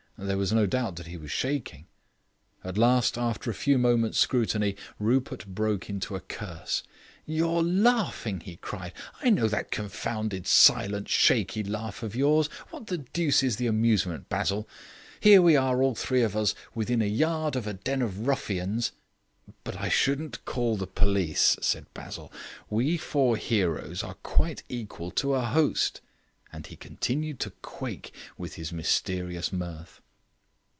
There was no doubt that he was shaking. At last, after a few moments' scrutiny, Rupert broke into a curse. "You're laughing," he cried. "I know that confounded, silent, shaky laugh of yours. What the deuce is the amusement, Basil? Here we are, all three of us, within a yard of a den of ruffians " "But I shouldn't call the police," said Basil. "We four heroes are quite equal to a host," and he continued to quake with his mysterious mirth.